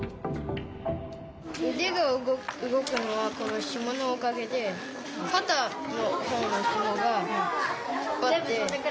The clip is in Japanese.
うでが動くのはこのひものおかげでかたのほうのひもがこうやってうでとかが動く。